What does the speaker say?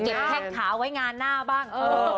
เห็นแพ็คขาไว้งานหน้าบ้าง